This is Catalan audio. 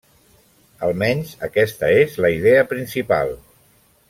Almenys aquesta és la idea principal.